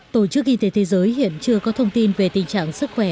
tổ chức y tế thế giới hiện chưa có thông tin về tình trạng sức khỏe